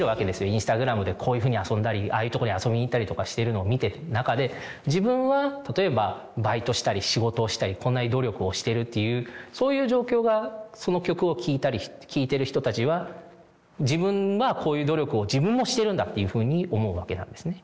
インスタグラムでこういうふうに遊んだりああいうとこに遊びに行ったりとかしているのを見てる中で自分は例えばバイトしたり仕事をしたりこんなに努力をしてるというそういう状況がその曲を聴いてる人たちは自分はこういう努力を自分もしてるんだというふうに思うわけなんですね。